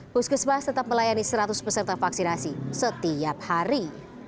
puskesmas tetap melayani seratus peserta vaksinasi setiap hari